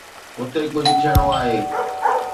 هتي ڪجهه ٿيڻو آهي.